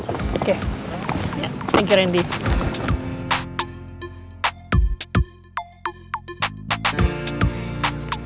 oke sampai kedepannya pagi